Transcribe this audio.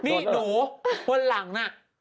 นี่หนูบนหลังน่ะ